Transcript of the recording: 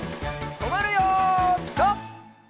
とまるよピタ！